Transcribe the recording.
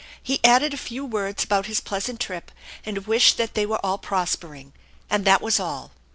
He added A few words about his pleasant trip and a wish that they were all prospering, and that was all.